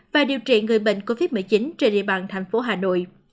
và điều trị người bệnh covid một mươi chín trên địa bàn thành phố hà nội